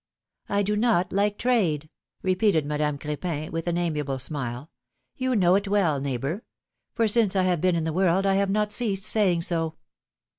I do not like trade/^ repeated Madame Cr^pin, with an amiable smile, ^^you know it well, neighbor; for since I have been in the world, I have not ceased saying so."